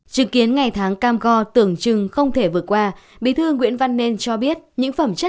trừ kiến ngày tháng cam co tưởng chừng không thể vượt qua